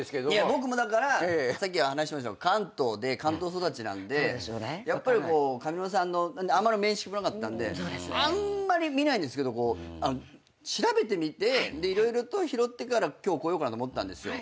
僕もだからさっき話しましたけど関東育ちなんでやっぱり上沼さんのあんまり面識もなかったんであんまり見ないんですけど調べてみて色々と拾ってから今日来ようかなと思ったんですよ。